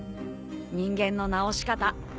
人間の治し方。